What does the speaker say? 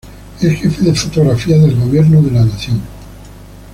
Es Jefe de Fotografía del Gobierno de la Nación.